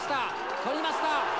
捕りました。